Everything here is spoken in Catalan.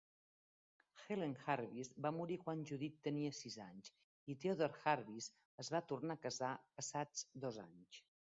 Helen Jarvis va morir quan Judith tenia sis anys, i Theodore Jarvis es va tornar a casar passats dos anys.